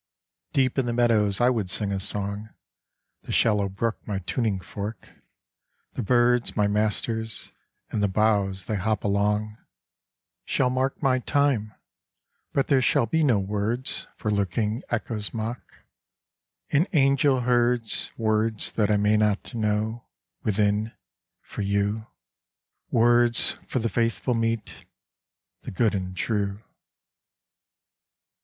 Deep in the meadows I would sing a song. The shallow brook my tuning fork, the birds My masters ; and the boughs they hop along as 26 TO MY BEST FRIEND Shall mark my time: but there shall be no words For lurking Echo's mock ; an angel herds Words that I may not know, within, for you, Words for the faithful meet, the good and true.